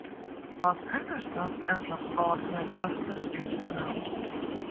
But is not every power here vested in the King?